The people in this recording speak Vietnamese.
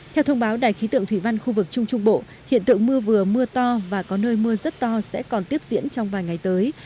theo thông báo đài khí tượng thủy văn khu vực trung trung bộ hiện tượng mưa vừa mưa to và có nơi mưa rất to sẽ còn tiếp diễn trong vài ngày tới